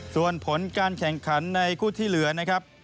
ส่วนผลการแข่งขันในคู่ที่เหลือนะครับ